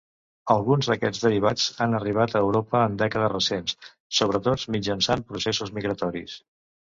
Alguns d'aquests derivats han arribat a Europa en dècades recents, sobretot mitjançant processos migratoris.